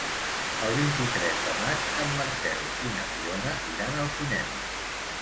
El vint-i-tres de maig en Marcel i na Fiona iran al cinema.